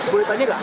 boleh tanya nggak